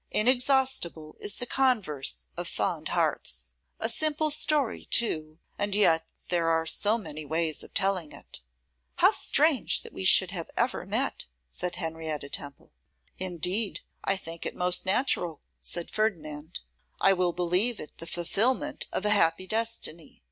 Inexhaustible is the converse of fond hearts! A simple story, too, and yet there are so many ways of telling it! 'How strange that we should have ever met!' said Henrietta Temple. 'Indeed, I think it most natural,' said Ferdinand; 'I will believe it the fulfilment of a happy destiny.